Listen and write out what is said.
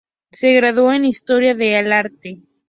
Se graduó en Historia del Arte.